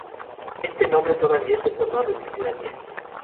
Este nombre todavía es recordado en Finlandia.